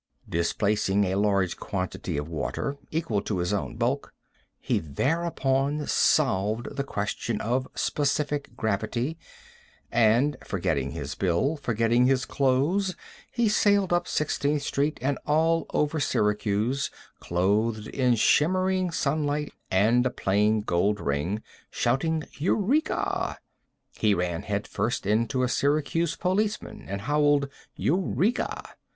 Displacing a large quantity of water, equal to his own bulk, he thereupon solved the question of specific gravity, and, forgetting his bill, forgetting his clothes, he sailed up Sixteenth street and all over Syracuse, clothed in shimmering sunlight and a plain gold ring, shouting "Eureka!" He ran head first into a Syracuse policeman and howled "Eureka!"